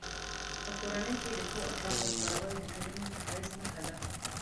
په کورنۍ کې د ښو اخلاقو خپرول د ټولنې د ښایست نښه ده.